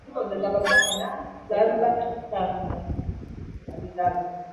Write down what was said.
sita na uzito wa paundi sabini na tano